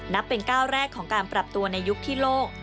เป็นก้าวแรกของการปรับตัวในยุคที่โลก